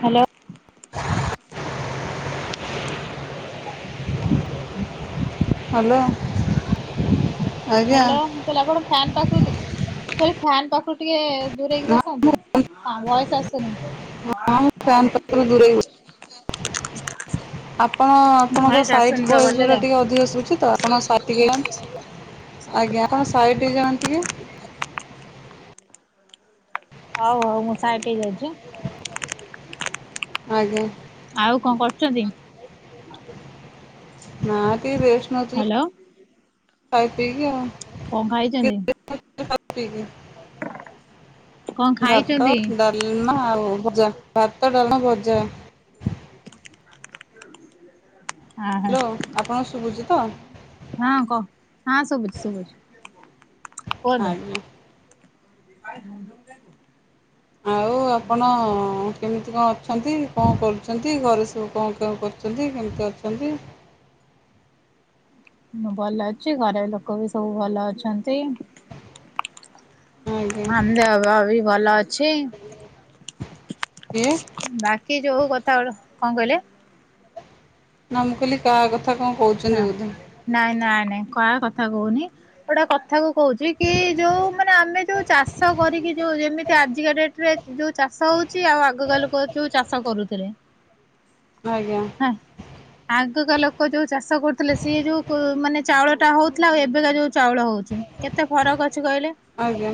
Hello. ଆମ ଦେଖ hello [inaudible] ଆଜ୍ଞା ହ୍ୟାଲୋ ମୁଁ କହିଲି ଆପଣ ଫ୍ୟାନ ପାଖକୁ ଟି କଇଲି ଫ୍ୟାାନ ପାଖରୁ ଟିକେ ଦୂରେଇକି ହଁ ମୁଁ ବସନ୍ତୁ ଭଏସ ଆସୁନି। ମା ହଁ ମୁଁ ଫ୍ୟାନ୍ ମାାର [inaudible] ପାଖରୁ ଦୂରେଇ ହଁ ଆପଣଙ୍କ ସାଇଟ ଭଏସ ଗୁଡା ଟିକେ ଅଧିକ ଶୁବୁଚିତ ଆପଣ ସାଇଟ ହେଇଯାନ୍ତୁ। ଟିକେ [inaudible] ହଉ ହଉ ମୁଁ ସାାଇଟ ହେ ଯାଉଚି। ଆଜ୍ଞା। ଆଉ କଣ କରୁଚନ୍ତି? ନା ଟିକେ ରେଷ୍ଟ ନଉଥିଲି ଖାଇ ପିଇକି ଆଉ। କଣ ଖାଇଛନ୍ତି? ହପପିବି କଣ ଭାତ ଖାଇଛନ୍ତି? ଡାଲମା ଆଉ। ଆଳୁଭଜା, ଭାତ, ଡାଲମା, ଭଜା। ଦେ [inaudible] ହ୍ୟାଲୋ ଆପଣଙ୍କୁ ସୁଭୁଜି ତ? ହଁ କହ ହଁ ଶୁଭୁଚି ଶୁଭୁଚି। ଆଜ୍ଞା। କାଇଁ ଝୁମ୍ ଝୁମ୍ କାଇଁ କରୁଛୁ [inaudible] ଆଉ ଆପଣ ଅଁ ଅଁ ଅଁ କେମିତି କଣ ଅଛନ୍ତି କଣ କରୁଛନ୍ତି ଘରେ ସବୁ କଣ କେ କରୁଛନ୍ତି କେମିତି ଅଛନ୍ତି? [inaudible] ମୁଁ ଭଲ ଅଛି ଘରେ ଲୋକ ବି ସବୁ ଭଲ ଅଛନ୍ତି। ଆଜ୍ଞା ଆହମ୍ଦିଆବା ଭା ବି ଭଲ ଅଛି। କିଏ? କି ଯଉ କଥା ଗୁଡା କଣ କହିଲେ? ନା ମୁ କହିଲି କାହା କଥା କଣ କହୁଛନ୍ତି ବୋଧେ। ନାହିଁ କାହା କଥା କହୁନି ଗୋଟେ କଥା କୁ କହୁଛି କି ଇ ଯୋଉ ମାନେ ଆମେ ଯୋଉ ଚାଷ କରିକି କି ଯୋଉ ଯେମିତି ଆଜିକା ଡେଟରେ ଯୋଉ ଚାଷ ହଉଛି ଆଉ ଆଗକା ଲୋକ ଯୋଉ ଚାଷ କରୁଥିଲେ। ଆଜ୍ଞା। ଅଧିକ ଲୋକ ଯୋଉ ଚା ଚାଷ କରୁଥିଲେ ସିଏ ଯଉ ମାନେ ଚାଉଳ ଟା ହଉଥିଲା ଆଉ ଏବେକା ଯୋଉ ଚାଉଳ ହଉଛି କେତେ ଫରକ ଅ ଆଜ୍ଞା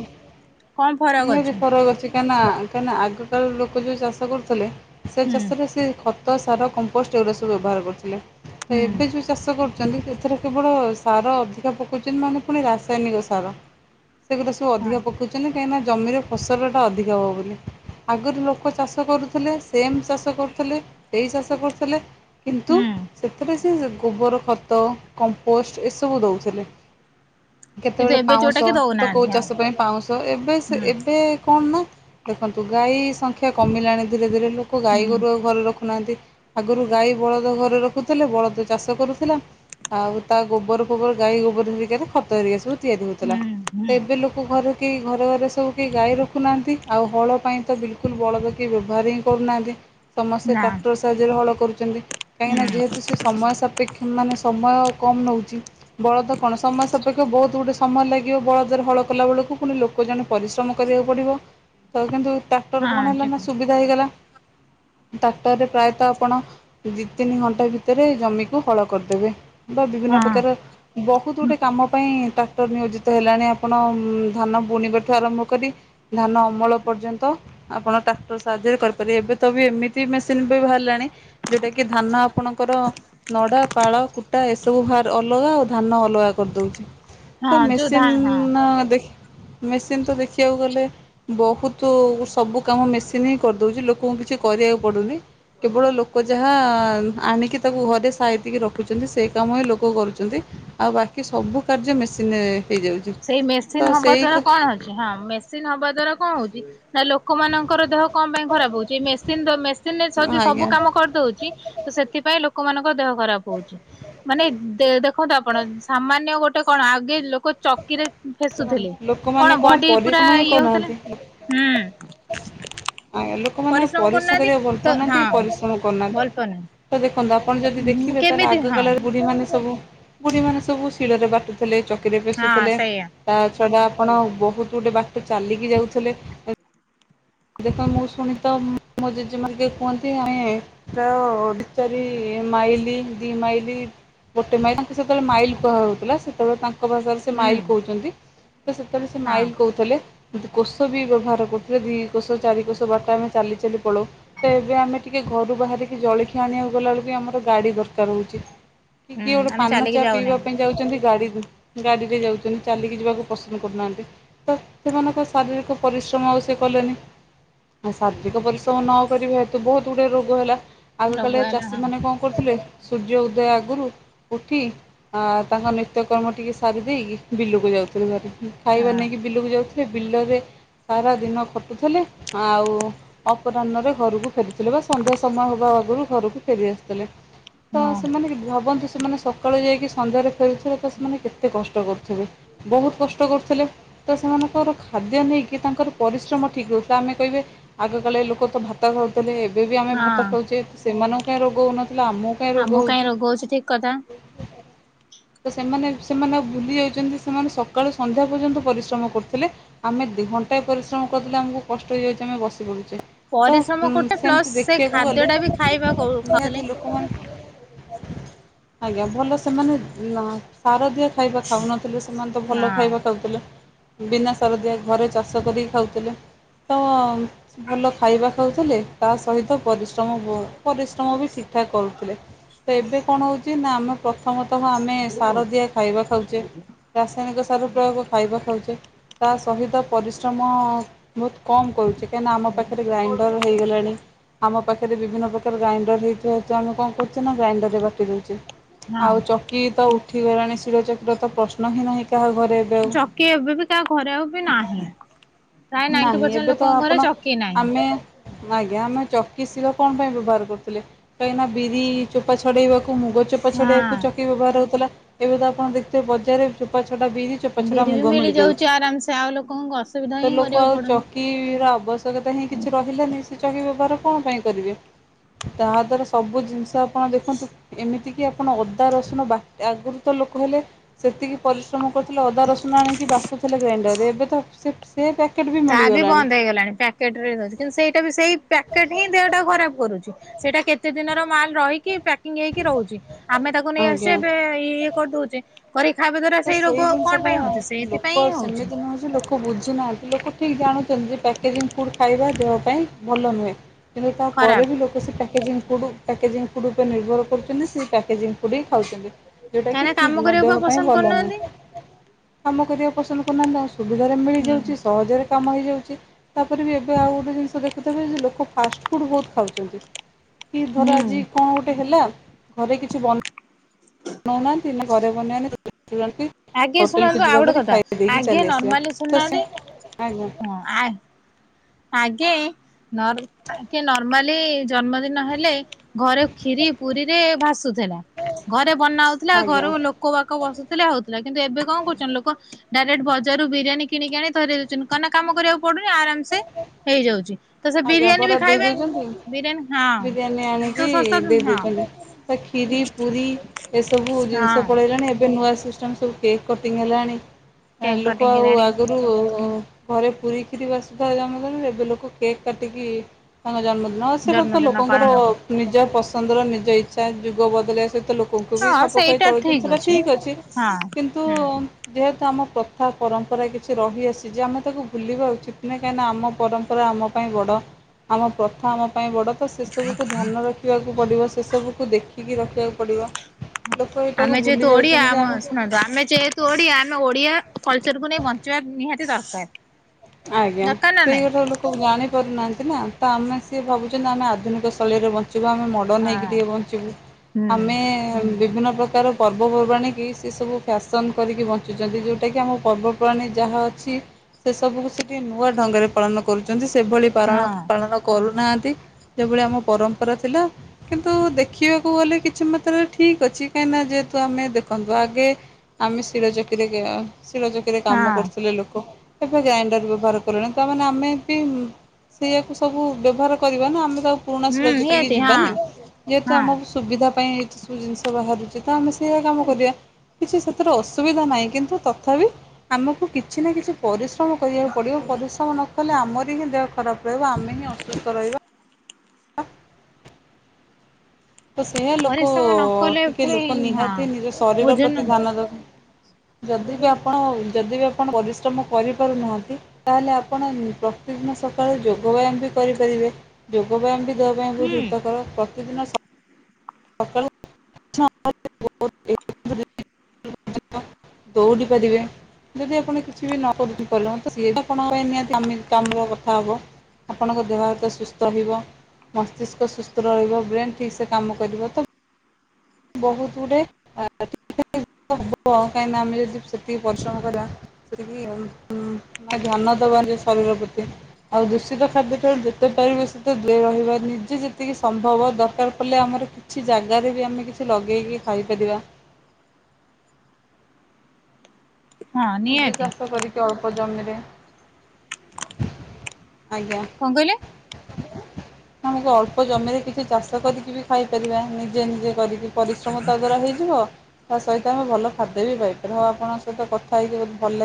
ଫରକ ନିହାତି ଅଛି ଫରକ ଅଛି କାଇଁନା କାଇଁନା ଆଗକାଳ ଲୋ ଲୋକ ଯେଉଁ ଚାଷ କରୁଥିଲେ ସେ ହୁଁ ଚାଷରେ ସେ ଖତ ସାର କମ୍ପୋଷ୍ଟ ଏଗୁଡ଼ା ସବୁ ବ୍ୟବହାର କରୁଥିଲେ। ତ ହୁଁ ଏବେ ଯୋଉ ଚାଷ କରୁ ଚନ୍ତି ସେଥିରେ କେବଳ ସାର ଅଧିକା ପକଉଛନ୍ତି ମାନେ ପୁଣି ରାସାୟନିକ ସାର। ସେଗୁଡ଼ା ସବୁ ହଁ ଅଧିକ ପକଉଛନ୍ତି। କାହିଁକିନା ଜମିର ଫସଲଟା ଅଧିକା ହେବ ବୋଲି ଆଗରୁ ଲୋକ ଚାଷ କରୁଥିଲେ ସେମ୍ ସେ ଚାଷ କରୁଥିଲେ ସେଇ ଚାଷ କରଥିଲେ କିନ୍ତୁ ହୁଁ। ସେଥିରେ ସେ ଗୋବର ଖତ କମ୍ପୋଷ୍ଟ ଏସବୁ ଦଉଥିଲେ। କିନ୍ତୁ କେତେବେଳେ ଏବେ ଯୋଉଟା ପାଉଁଶ କି ତ କୋଉ ଦଉନାହାନ୍ତି ହଁ ଚାଷ ପାଇଁ ପାଉଁଶ ଏବେ ସେ ହୁଁ ଏବେ କଣ ନା। ଦେଖନ୍ତୁ ଗାଈ ସଂଖ୍ୟା କମିଲାଣି ଧୀରେ ଧୀରେ ଲୋକ ଗାଈ ହୁଁ ଗୋରୁ ଆଉ ଘରେ ରଖୁନାହାଁନ୍ତି। ଆଗରୁ ଗାଈ ବଳଦ ଘରେ ରଖୁଥିଲେ ବଳଦ ଚାଷ କରୁଥିଲା। ଆଉ ତା ଗୋବର ଫୋବର ଗାଈ ଗୋବର ହେରିକାରେ ଖତ ହେରିକା ସବୁ ତିଆରି ହଉଥିଲା ହୁଁ ହୁଁ। ତ ଏବେ ଲୋକ ଘରେ କେହି ଘରେ ଘରେ ସବୁ କେହି ଗାଈ ରଖୁନାହାଁନ୍ତି ଆଉ ହଳ ପାଇଁ ତ ବିଲକୁଲ ବଳଦ କିଏ ବ୍ୟବହାର ହିଁ କରୁନାହାଁନ୍ତି। ସମସ୍ତେ ନା ଟ୍ରାକ୍ଟର ସାହାଯ୍ୟରେ ହଳ କରୁଛନ୍ତି, ହୁଁ କାହିଁକିନା ଯେହେତୁ ସେ ସମୟ ସାପେକ୍ଷ ମାନେ ସମୟ କମ୍ ନେଉଛି ବଳଦ କଣ ସମୟ ସପେକ୍ଷ ବହୁତ ଗୁଡେ ସମୟ ଲାଗିବ ବଳଦ ଜାର ହଳ କଲା ବେଳକୁ ପୁଣି ଲୋକ ଜଣେ ପରିଶ୍ରମ କରିବାକୁ ପଡ଼ିବ ତ କିନ୍ତୁ ଟ୍ରାକ୍ଟର କଣ ହେଲା ଠିକ ନା ସୁବିଧା ହେଇଗଲା ହଁ [inaudible] ଟାକ୍ଟରରେ ପ୍ରାୟତଃ ଆପଣ ଦି ତିନି ଘଣ୍ଟା ଭିତରେ ଜମିକୁ ହଳ କରିଦେବେ। ବା ବିଭିନ୍ନ ହଁ। ପ୍ରକାର ବହୁତ ଗୁଟେ କାମ ପାଇଁ ଟ୍ରାକ୍ଟର ନିୟୋଜିତ ହେଲାଣି ଆ ଆପଣ ଅମ ଧାନ ବୁଣିବାଠୁ ଆରମ୍ଭ କରି ଧାନ ଅମଳ ପର୍ଯ୍ୟନ୍ତ ଆପଣ ଟ୍ରାକ୍ଟର ସାଯ୍ୟ ଯେ କରିପାରିବେ ଏବେ ତ ବି ଏମିତି ମେସିନ ବି ବାହାରିଲାଣି ଯୋଉଟା କି ଧାନ ଆପଣଙ୍କର ନଡା ପାଳ କୁଟା ଏସବୁ ଭାର ଅଲଗା ଆଉ ଧାନ ଅଲଗା କରିଦଉଛି। ହଁ ଯୁଦ ହା ହଁ ଦେଖ ମେସିନ ତ ଦେଖିବାକୁ ଗଲେ ବହୁତୁ ସବୁ କାମ ମେସିନ ହିଁ କରିଦଉଛି ଲୋକଙ୍କୁ କିଛି କ କରିବାକୁ ପଡୁନି କେବଳ ଲୋକ ଯାହା ଯା ଆଁ ଆଣିକି ତାକୁ ଘରେ ସାଇତି କି ରଖୁଛନ୍ତି ସେ କାମ ହିଁ ଲୋକ କରୁଛନ୍ତି ଆଉ ବାକି ସ ସବୁ କାର୍ଯ୍ୟ ମେସିନ୍ ରେ ଏଏ ହେଇଯାଉଛି। ସେଇ ମେସିନ ତ ହବା ସେଇ ଦ୍ଵାରା କଣ ହଉଛି ହଁ ମେସିନ ହବା ଦ୍ଵାରା କଣ ହଉଛି। ନା ଲୋକମାନଙ୍କର ଦେହ କଣ ପାଇଁ ଖରାପ ହଉଛି। ମେସିନ ରେ ଆଜ୍ଞା ସବୁ କାମ କରିଦଉଛି। ତ ସେଥିପାଇଁ ଲୋକ। ଲୋକ ମଙ୍କ ଦେହ ଖରାପ ହଉଛି। ମାନେ ଦେଖନ୍ତୁ ଆପଣ ସାମାନ୍ୟ ଗୋଟେ କଣ ଆଗେ ଲୋକ। ଚକିରେ ଫେସୁଥିଲେ ଲୋକମାନେ କଣ ବଡି ପୁରା ପରିଶ୍ରମ ହିଁ ଇଏ ହଉଥିଲା। କରୁନାହାନ୍ତି ହୁଁ। ଆଜ୍ଞା। ଲୋକମାନେ ଆଉ ପରିଶ୍ରମ କରୁନାହାନ୍ତି କରିବାକୁ ଭଲ ତ ପାଉନାହାନ୍ତି କି ହଁ ପରିଶ୍ରମ କରୁନାହାନ୍ତି ଭଲ ପାଉନା ତ ଦେଖ। ଦେଖନ୍ତୁ ଆପଣ ଯଦି ଦେଖିବେ ତାହେଲେ କେମିତି ଆଗ ହଁ କଳରେ ବୁଢୀ ମାନେ ସବୁ, ବୁଢୀ ମାନେ ସବୁ ଶିଳରେ ବା ଟଥିଲେ ଚକିରେ ହଁ ପେଶୁଥିଲେ ସେଇଆ ତା ସେଟା ଆପଣ ବହୁତ ଗୋଟେ ବାଟ ଚାଲିକି ଯାଉଥିଲେ। ଦେଖ ମୁଁ ଶୁଣି ତ ମୋ ଜେଜେମା ହେରୀକା କୁହନ୍ତି ଆମେ। [inaudible] ମାଇଲି ଦି ମାଇଲି ଗୋଟେ ମାଇଲି ତା ସେତେବେଳେ ମାଇଲି କହା ହଉଥିଲା ସେତେବେଳେ ତା ତାଙ୍କ ଭାଷାରେ ସେ ହୁଁ ମାଇଲ କହୁଚନ୍ତି। ତ ସେତେବେଳେ ସେ ହଁ ମାଇଲ କହୁଥିଲେ। କୋଷ ବି ବ୍ୟବହାର କରୁଥିଲେ ଦି କୋଷ ଚାରି କୋଷ ବାଟ ଆମେ ଚାଲି ଚାଲି ପଳଉ। ତ ଏବେ ଆମେ ଟିକେ ଘରୁ ବାହାରିକି ଜଳଖିଆ ଆଣିବାକୁ ଗଲାବେଳକୁ କି ଆମର ଗାଡି ଦରକାର ହଉଛି କି ହୁଁ କିଏ ଗୋଟେ ଆମେ ପାନ ଚାଲିକି ଚା ପିଇବା ଯାଉନାହିଁ ପାଇଁ ଯାଉଛନ୍ତି ଗାଡିରେ ଯାଉଛନ୍ତି ଚାଲିକି ଯିବାକୁ ପସନ୍ଦ କରୁନାହାନ୍ତି। ତ ସେମାନଙ୍କ ଶାରୀରିର ପରି ପରିଶ୍ରମ ଆଉ ସେ କଲେନି ଆ ଶାରୀରିକ ପରିଶ୍ରମ ନ କରିବା ହେତୁ ବହୁତ ଗୁଡ଼ିଏ ରୋଗ ହେଲା। ଆଗ ରୋଗ କାଳିଆ ହେଲା ଚାଷୀ ହଁ ମାନେ କଣ କରୁଥିଲେ ସୂର୍ଯ୍ୟ ଉଦୟ ଆଗରୁ ଉଠି ତାଙ୍କ ନିତ୍ୟକର୍ମ ଟିକେ ସାରି ଦେଇେକି ବିଲକୁ ଯାଉ ଯାଉଥିଲେ ଖାଇବା ହଁ ନେଇକି ବିଲକୁ ଯାଉଥିଲେ, ବିଲରେ ସାରା ଦିନ ଖଟୁଥିଲେ। ଆଉ ଅପରାହ୍ନରେ ଘରକୁ ଫେରିଥିଲେ ବା ସନ୍ଧ୍ୟା ସମୟ ହେବା ଆଗରୁ ଘରକୁ ଫେରି ଆସୁଥିଲେ। ତ ହଁ ସେମାନେ ଭାବନ୍ତୁ ସେମାନେ ସକାଳୁ ଯାଇକି ସନ୍ଧ୍ୟାରେ ଫେରୁଥିଲେ ତ ସେମାନେ କେତେ କଷ୍ଟ କରୁଥିବେ। ବହୁତ କଷ୍ଟ କରୁଥିଲେ। ତ ସେମାନଙ୍କର ଖାଦ୍ୟ ନେଇକି ତାଙ୍କର ପରିଶ୍ରମ ଠିକ୍ ହଉଚି ଆମେ କହିବେ ଆଗକଳେ ଲୋକ ତ ଭାତ ଖାଉଥିଲେ ଏବେ ବି ଆମେ ଭାତ ହଁ ଖାଉଛେ। ସେମାନଙ୍କୁ କାଇଁ ରୋଗ ହଉନ ତ ଆମକୁ କାଇଁ ରୋଗ ଆମକୁ କାହିଁ ହଉଛି ରୋଗ ଠିକ କଥା। ତ ସେମାନେ ସେମାନେ ଆଉ ଭୁଲି ଯାଉଛନ୍ତି ସେମାନେ ସ ସକାଳୁ ସନ୍ଧ୍ୟା ପର୍ଯ୍ୟନ୍ତ ପରିଶ୍ରମ କରୁଥିଲେ। ଆମେ ଦି ଘଣ୍ଟାଏ ପରିଶ୍ରମ କରିଲେ ଆମକୁ କଷ୍ଟ ହେଇଯାଉଛି ଆମେ ବସି ତ ପରିଶ୍ରମ କରୁଥିଲେ ସେମିତି ପ୍ଲସ ସେ ଦେଖିବାକୁ ଖାଦ୍ୟ ଗଲେ ଟା ବି ଖାଇବା ଖାଉଥିଲେ ନିହାତି ଲୋକମାନେ ଆଜ୍ଞା। ଭଲ ସେମାନେ ଶାରଦିଆ ଖାଇବା ଖାଉନଥିଲେ, ସେମାନେ ତ ଭଲ ହଁ। ଖାଇବା ଖାଉଥିଲେ। ବିନା ସାରଦିଆ ଘରେ ଚାଷ କରିକି ଖାଉଥିଲେ। ତ ଭଲ ଖାଇବା ଖାଉଥିଲେ। ତା ସହିତ ପରିଶ୍ରମ ବୋ ପରିଶ୍ରମ ବି ଠିକ୍ ଠାକ୍ କରୁଥିଲେ। ତ ଏବେ କଣ ହୋଉଚି ନା ଆମେ ପ୍ରଥମତଃ ଆମେ ସାର ଦିଆ ଖାଇବା ଖାଉଚେ। ରାସାୟନିକ ସାର ପ୍ରୟୋଗ ଖାଇବା ଖାଉଚେ ତା ସହିତ ପରିଶ୍ରମ ବୋହୁତ କମ୍ କରୁଚି କାହିଁକିନା ଆମ ପାଖରେ ଗ୍ରାଇଣ୍ଡର ହେଇଗଲାଣି। ଆମ ପାଖରେ ବିଭିନ୍ନ ପ୍ରକାର ଗ୍ରାଇଣ୍ଡର ହେଇଥିବା ହେତୁ ଆମେ କଣ କରୁଚେ ନା ଗ୍ରାଇଣ୍ଡରରେ ବାଟି ଦୋଉଚେ। ହଁ ଆଉ ଚକି ତ ଉଠିଗଲାଣି ଶିଳ ଚକିର ତ ପ୍ରଶ୍ନ ହିଁ ନାହିଁ କାହା ଘରେ ଏବେ ଆଉ। ଚକି ଏବେ ବି କାହା ଘରେ ଆଉ ବି ନାହିଁ। ପ୍ରାୟ ନାଇଣ୍ଟି ନାହିଁ ପରସେଣ୍ଟ ଏବେ ତ ଲୋକଙ୍କ ଘରେ ଆପଣ ଚକି ନାହିଁ। ଆମେ ଆଜ୍ଞା ଆମେ ଚ କି ଶିଳ କଣ ପାଇଁ ବ୍ୟବହାର କରୁଥିଲେ। କାହିଁକିନା ବିରି ଚୋପା ଛଡେଇବାକୁ ମୁଗ ଚୋପା ଛଡେଇଆକୁ ଚକି ହଁ ବ୍ୟବହାର ହୋଉଥିଲା। ଏବେ ତ ଆପଣ ଦେଖୁଥିବେ ବଜାର ରେ ଚୋପା ଛଡା ବିରି ଚୋପଛଡ଼ା ବିରି ବି ମୁଗ ମିଳିଯାଉଛି ମିଳିଯାଉଚି। ଆରାମସେ ଆଉ ଲୋକଙ୍କୁ ଅସୁବିଧା ତ ହିଁ ଲୋକ କରିବାକୁ ଆଉ ପଡୁନି। ଚକିର ଆବଶ୍ୟକତା ହିଁ କିଛି ରହିଲାନି ସେ ଚକି ବ୍ୟବହାର କଣ ପାଇଁ କରିବେ। ତାହା ଦ୍ୱାରା ସବୁ ଜିନିଷ ଆପଣ ଦେଖନ୍ତୁ ଏମିତି କିି ଆପଣ ଅଦା, ରସୁଣ ବା ଆଗରୁ ତ ଲୋକ ହେଲେ ସେତିକି ପରିଶ୍ରମ କରୁଥିଲେ ଅଦା, ରସୁଣ ଆଣିକି ବାଟୁଥିଲେ ଗ୍ରାଇଣ୍ଡରରେ ଏବେ ତ ସିଏ ସିଏ ତା ବି ବନ୍ଦ ହେଇଗଲାଣି। ପ୍ୟାକେଟ୍ ରେ ଦୋଉଚି କିନ୍ତୁ ସେଇଟା ବି ସେଇ ପ୍ୟାକେଟ ହିଁ ଦେହଟା ଖରାପ କରୁଚି। ସେଇଟା କେତେ ଦିନର ମାଲ ରହିକି ପ୍ୟାକିଂ ହେଇକି ରହୁଛି। ଆମେ ତାକୁ ନେଇ ଆସୁଛେ ଆଜ୍ଞା। ଏବେ ଇଏ କରିଦଉଛେ। କରିକି ଖାଇବା ଦ୍ଵାରା ତ ରୋଗ ସେଇ ଜିନିଷ କଣ ଟା ପାଇଁ ହଉଛି ସେଇଥିପାଇଁ ଲୋକ ହିଁ ହଉଛି ସେମିତି ନୁହଁ ଯେ ଲୋକ ବୁଝୁ ନାହାନ୍ତି। ଲୋକ ଠିକ୍ ଜାଣୁଛନ୍ତି ଯେ ପ୍ୟାକେଜିଂ ଫୁଡ୍ ଖାଇବା ଦେହ ପାଇଁ ଭଲ ନୁହେଁ। କିନ୍ତୁ ଖରାପ ତାପରେ ବି ଲୋକ ସେ ପ୍ୟାକେଜିଂ ଫୁଡ୍‌ ପ୍ୟାକେଜିଂ ଫୁଡ୍‌ ଉପରେ ନିର୍ଭର କରୁଛନ୍ତି। ସେ ପ୍ୟାକେଜିଂ କୁ ବି ଖାଉଛନ୍ତି। ଯେଉଁଟାକି କାଇଁନା ଠିକ୍ କାମ ନୁହଁ ଦେହ କରିଆକୁ ଆଉ ପାଇଁ ପସନ୍ଦ ଭଲ ନୁହେଁ। କରୁନାହାନ୍ତି। କାମ କରିବାକୁ ପସନ୍ଦ କରୁନାହାନ୍ତି। ଆଉ ସୁବିଧାରେ ହୁଁ ହୁଁ। ମିଳିଯାଉଛି। ସହଜରେ କାମ ହେହିଯାଉଚି ତାପରେ ବି ଏବେ ଆଉ ଗୋଟେ ଜିନିଷ ଦେଖୁଥବେ ଯେ ଲୋକ ଫାଷ୍ଟ ଫୁଡ୍ ବୋହୁତ ଖାଉଚନ୍ତି। କି ଧର ହୁଁ ଆଜି କଣ ଗୋଟେ ହେଲା ଘରେ କିଛି ବ ନୋଉ ନାହାନ୍ତି [unintelligible] ଘରେ ବନେଇବା ନାହିଁ। ଆଜ୍ଞା ଶୁଣନ୍ତୁ ଆଉ ଗୋଟେ କଥା ଦେଇକି ଆଜ୍ଞା ଚାଲି ଆସିବା ନର୍ମାଲି ତ ସେ ଶୁଣୁନାହାନ୍ତି ଆଜ୍ଞା ହଁ ଆ ଆଗେ ନର୍ମାଲି ଆ ଆଗେ ନର୍ମାଲି ଜନ୍ମଦିନ ହେଲେ ଘରେ କ୍ଷୀରି ପୁରୀରେ ଭାସୁ ଥିଲା ଘରେ ବନା ହୋଉଥିଲା ଆଜ୍ଞା ଘରୁ ଲୋକ ବାକ ବସୁଥିଲେ ହୋଉଥିଲା କିନ୍ତୁ ଏବେ କଣ କରୁଚନ୍ତି ଲୋକ ଡାଇରେକ୍ଟ ବଜାରରୁ ବିରିୟାନୀ କିଣିକି ଆଣିକି ଧରେଇ ଦୋଉଚନ୍ତି କଣନା କାମ କରିବାକୁ ପଡୁନି ଆରାମସେ ହେଇଯାଉଚି। ତ ସେ ଆଜ୍ଞା ବିରିୟାନୀ ବି ବରା ଦେଇ ଖାଇବେ ଦଉଛନ୍ତି। ବିରିୟାନୀ ହଁ ତ ସସ୍ତା ସୁନ୍ଦର ହଁ। ଖିରି ପୁରୀ ଏସବୁ ଜିନିଷ ହଁ ପଳେଇଲାଣି ଏବେ ନୂଆ ସ ବୁ ସିଷ୍ଟମ୍ ସବୁ କେକ୍ କଟିଙ୍ଗ ହେଲାଣି ଟେଙ୍କ ଲୋକ ଆଉ ଟେଙ୍କିରାଣୀ ଆଗରୁ ଘରେ ପୁରୀ କ୍ଷୀରି ଭାସୁଥାଏ ଜନ୍ମଦିନରେ ଏବେ ଲୋକ କେକ୍ କାଟିକି ତାଙ୍କ ଜନ୍ମଦି ନ ଆସିବ ତ ଜନ୍ମଦିନ ଲୋକଙ୍କର ପାଳନ ନିଜ ପସନ୍ଦର ନିଜ ଇଚ୍ଛା ଯୁଗ ବଦଳି ଆସି ଲୋକଙ୍କୁ ବି କର ହଁ ଖାପ ଖାଇ ସେଇଟା ଚଳୁଚନ୍ତି ଠିକ ସେଟା ଠିକ୍ ଅଛି ହଁ କିନ୍ତୁ ହୁଁ। ଯେହେ ତୁ ଆମ ପ୍ରଥା ପରମ୍ପରା କିଛି ରହିଆସିଚି ଆମେ ତାକୁ ଭୁଲିବା ଉଚିତ୍ ନାହିଁ କାହିଁକିନା ଆମ ପରମ୍ପରା ଆମ ପାଇଁ ବଡ଼ ଆମ ପ୍ରଥା ଆମ ପାଇଁ ବଡ ତ ସେସବୁକୁ ଧ୍ୟାନ ରଖିବାକୁ ପଡିବ ସେସବୁକୁ ଦେଖିକି ରଖିବାକୁ ପଡିବ। ଆମେ ଯେହେତୁ ଓଡିଆ ଆମ ଶୁଣନ୍ତୁ ଆମେ ଯେହେତୁ ଓଡିଆ ଆମେ ଓଡିଆ କଲଚର୍ କୁ ନେଇ ବଞ୍ଚିବା ନିହାତି ଦରକାର। ଆଜ୍ଞା ଦରକାର ନା ସେଇ ନାଇଁ କଥା ଲୋକ ଜାଣି ପାରୁନାହାନ୍ତି। ନା ତ ଆମେ ସିଏ ଭାବୁଚନ୍ତି ଆମେ ଆଧୁନିକ ଶୈଳୀରେ ବ ଞ୍ଚିବା ଆମେ ମଡର୍ଣ୍ଣ ହେଇକି ହଁ ଟିକେ ବଞ୍ଚିବୁ ହୁଁ ଆମେ ବିଭିନ୍ନ ପ୍ରକାର ପର୍ବପର୍ବାଣ କି ସେ ସବୁ ଫ୍ୟାସନ୍ କରିକି ବଞ୍ଚୁଚନ୍ତି ଯେଉଟାକି ଆମ ପର୍ବପର୍ବାଣି ଯାହା ଅଛି ସେସବୁକୁ ସେ ଠିକିଏ ନୂଆ ଢଙ୍ଗରେ ପାଳନ କରୁଚନ୍ତି ସେଭଳି ପାରଣ ହଁ ପାଳନ କରୁ ନାହାନ୍ତି ସେ ଭଳି ଆମ ପରମ୍ପରା ଥିଲା କିନ୍ତୁ ଦେଖିବାକୁ ଗଲେ କିଛି ମାତ୍ରାରେ ଠିକ୍ ଅ ଛି କାହିଁକିନା ଯେହେତୁ ଆମେ ଦେଖନ୍ତୁ ଆଗେ ଆମେ ସ୍ଥିର ଚାକିର [unintelligible] ଶୀଳ ଚକିରେ କାମ ହଁ। କରୁଥିଲେ ଲୋକ। ଏବେ ଗ୍ରାଇଣ୍ଡର ବ୍ୟବହାର କଲେଣି ତାମାନେ ଆମେ ବି ସେଇଆକୁ ସବୁ ବ୍ୟବହାର କରିବା ନା। ଆମେ ତ ପୁରୁଣା ହୁଁ ଶୀଳ ଚକି କି ନିହାତି ହଁ ଯିବାନି। ଯେହେତୁ ହଁ ଆମକୁ ସୁବିଧା ପାଇଁ ଏତେ ସବୁ ଜିନିଷ ବାହାରୁଛି। ତ ଆମେ ଫ୍ରି ରେ କାମ କରିବା। କିଛି ସେଥିରୁ ଅସୁବିଧା ନାହିଁ। କିନ୍ତୁ ତଥାପି ଆମକୁ କିଛି ନା କିଛି ପରିଶ୍ରମ କରିବାକୁ ପଡ଼ିବ। ପରିଶ୍ରମ ନ କଲେ ଆମରି ହିଁ ଦେହ ଖରାପ ରହିବ। ଆମେ ହିଁ ଅସୁସ୍ଥ ରହିବା। ଆଃ। ତ ସେୟା ଲୋକ ପରିଶ୍ରମ ନ କଲେ ଟିକେ ପୁଣି ଲୋକ ହଁ ନିହାତି ନିଜ ଶରୀର ବୁଝୁନ ପ୍ରତି ଧ୍ୟାନ ଦ ଯଦି ବି ଆପଣ ଯଦି ବି ଆପଣ ପରିଶ୍ରମ କରିପାରୁନାହାନ୍ତି, ତାହେଲେ ଆପଣ ଉମ ପ୍ର ପ୍ରତିଦିନ ସକାଳେ ଯୋଗ ବ୍ୟାୟାମ ବି କରିପାରିବେ। ଯୋଗ ବ୍ୟାୟାମ ବି ଦେହ ପାଇଁ ହୁଁ ବହୁତ ହିତକର। ପ୍ରତିଦିନ ସକାଳୁ [unintelligible] ଦଉଡି ପାରିବେ। ଯଦି ଆପଣ କିଛି ବି ନ କରୁଛି [unintelligible] ପାରିଲ। ତ ସିଏ ବି ଆପଣଙ୍କ ପାଇଁ ନିହାତି [unintelligible] କାମର କଥା ହବ। ଆପଣଙ୍କ ଦେହ ହାତ ସୁସ୍ଥ ରହିବ ମସ୍ତିଷ୍କ ସୁସ୍ଥ ରହିବ ବ୍ରେନ୍। ଠିକ ସେ କାମ କରିବ ତ? ବହୁତ ଗୁଡେଇ [unintelligible] କ କାହିଁକି ନା ଆମେ ଯଦି ସେତିକି ପରିଶ୍ରମ କରିବା ସେତିକି ଉଁ ଉଁ ଧ୍ୟାନ ଦେବା ନିଜ ଶରିରକୁ ଶରିର ପ୍ରତି ଆଉ ଦୂଷିତ ଖାଦ୍ୟ ଠାରୁ ଯେତେ ପାରିବେ ସେତେ ଦୂରେଇ ରହିବା ନିଜେ ଯେତିକି ସମ୍ଭବ ଦରକାର ପ‌ଇଲେ ଆମର କିଛି ଜାଗାରେ ବି ଆମେ କି ଛି ଲଗେଇକି ଖାଇପାରିବା। ହଁ ନିଜେ ନିହାତି ଚାଷ କରିକି ଅଳ୍ପ ଜମିରେ ଆଜ୍ଞା। କଣ କହିଲେ? [inaudible] ଆମେ ଅଳ୍ପ ଜମିରେ କିଛି ଚାଷ କରିକି ବି ଖାଇପାରିବା ନିଜେ ନିଜେ କରିକି ପରିଶ୍ରମ ତା ଦ୍ଵାରା ହେଇଯିବ। ତା ସହିତ ଆମେ ଭଲ ଖାଦ୍ୟ ବି ପାଇପାର ହଉ ଆପଣଙ୍କ ସହିତ କଥା ହେଇକି ଭଲ ଲ